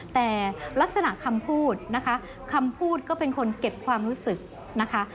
แต่ลักษณะคำพูดนะคะคำพูดก็เป็นคนเก็บความรู้สึกนะคะ